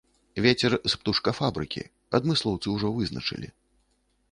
Вецер з птушкафабрыкі, адмыслоўцы ўжо вызначылі.